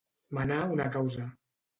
Menar una causa.